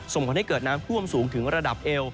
ส่งผลให้เกิดน้ำท่วมสูงถึงระดับเอว